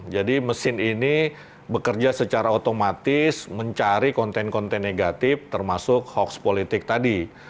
jadi mesin ini bekerja secara otomatis mencari konten konten negatif termasuk hoaks politik tadi